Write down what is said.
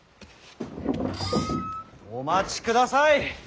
お待ちください！